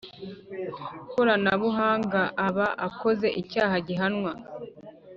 Koranabuhanga aba akoze icyaha gihanwa